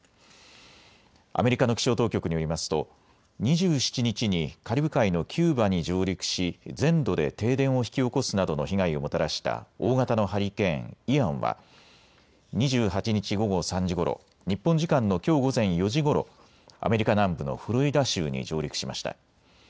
アメリカの気象当局によりますと２７日にカリブ海のキューバに上陸し全土で停電を引き起こすなどの被害をもたらした大型のハリケーン、イアンは２８日午後３時ごろ、日本時間のきょう午前４時ごろ、アメリカ南部のフロリダ州に上陸しました。